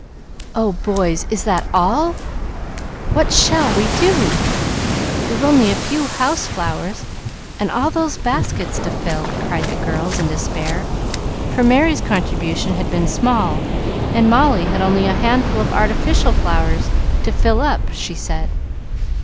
"Oh, boys, is that all?" "What shall we do?" "We've only a few house flowers, and all those baskets to fill," cried the girls, in despair; for Merry's contribution had been small, and Molly had only a handful of artificial flowers "to fill up," she said.